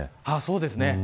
そうですね。